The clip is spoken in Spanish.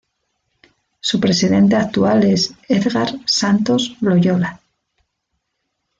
Su presidente actual es Edgar Santos Loyola.